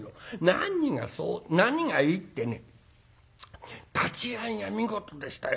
何がそう何がいいってね立ち合いが見事でしたよ。